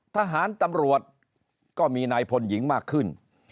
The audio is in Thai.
ทหารตำรวจก็มีนายพลหญิงมากขึ้น